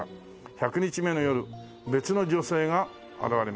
「１００日目の夜別の女性が現れました」